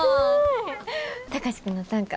貴司君の短歌